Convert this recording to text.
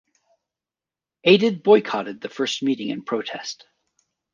Aidid boycotted the first meeting in protest.